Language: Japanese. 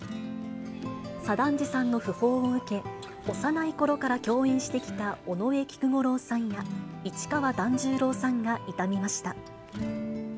左團次さんの訃報を受け、幼いころから共演してきた尾上菊五郎さんや市川團十郎さんが悼みました。